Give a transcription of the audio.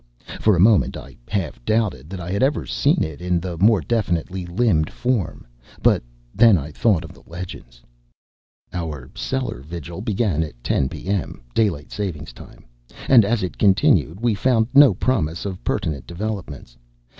For a moment I half doubted that I had ever seen it in the more definitely limned form but then I thought of the legends. Our cellar vigil began at ten p. m., daylight saving time, and as it continued we found no promise of pertinent developments.